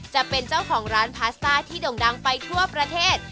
จะเป็นเจ้าของร้านพาสต้าที่ด่งดังไปทั่วประเทศ